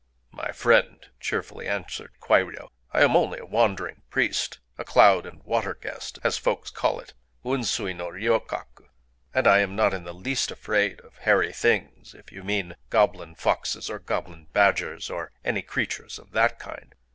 "My friend," cheerfully answered Kwairyō, "I am only a wandering priest,—a 'Cloud and Water Guest,' as folks call it: Unsui no ryokaku. (2) And I am not in the least afraid of Hairy Things,—if you mean goblin foxes, or goblin badgers, or any creatures of that kind.